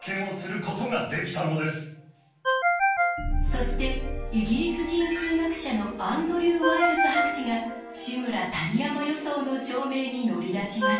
そしてイギリス人数学者のアンドリュー・ワイルズ博士が「志村−谷山予想」の証明に乗り出します。